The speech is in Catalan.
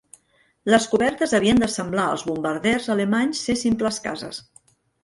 Les cobertes havien de semblar als bombarders alemanys ser simples cases.